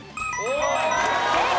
正解！